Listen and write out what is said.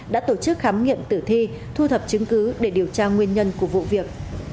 đã tổ chức khám nghiệm tử thi thu thập chứng cứ để điều tra nguyên nhân của vụ việc